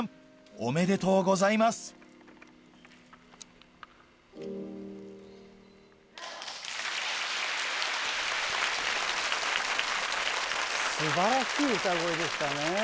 おめでとうございます素晴らしい歌声でしたね。